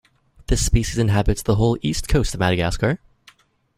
This species inhabits the whole east coast of Madagascar.